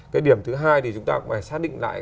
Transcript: cái điểm thứ hai thì chúng ta cũng phải xác định lại